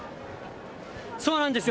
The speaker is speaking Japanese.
そうなんですよ。